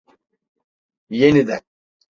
Yeniden.